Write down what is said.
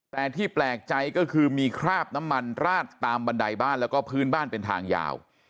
แต่ที่แปลกใจก็คือมีคราบน้ำมันราดตามบันไดบ้านแล้วก็พื้นบ้านเป็นทางยาว